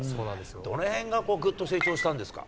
どのへんがぐっと成長したんですか。